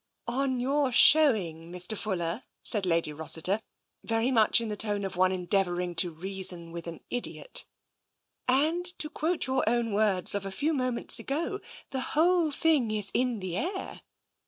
" On your own showing, Mr. Fuller," said Lady Rossiter, very much in the tone of one endeavouring to reason with an idiot, " and to quote your own words of a few moments ago, the whole thing is in the air.